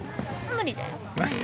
無理だよ！